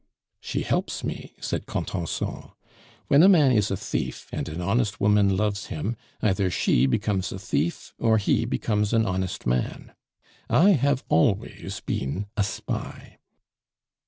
"She helps me," said Contenson. "When a man is a thief, and an honest woman loves him, either she becomes a thief or he becomes an honest man. I have always been a spy."